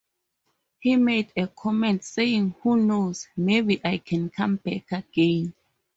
He made a comment saying Who knows, maybe I can come back again?